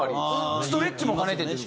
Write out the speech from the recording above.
ストレッチも兼ねてという事？